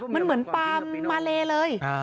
มันเหมือนป่ามาเลเลย